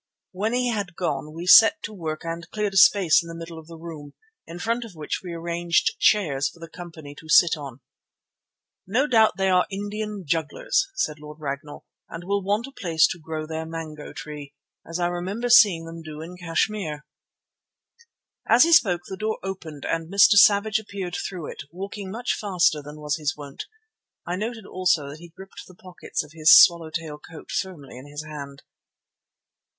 When he had gone we set to work and cleared a space in the middle of the room, in front of which we arranged chairs for the company to sit on. "No doubt they are Indian jugglers," said Lord Ragnall, "and will want a place to grow their mango tree, as I remember seeing them do in Kashmir." As he spoke the door opened and Mr. Savage appeared through it, walking much faster than was his wont. I noted also that he gripped the pockets of his swallow tail coat firmly in his hand.